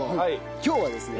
今日はですね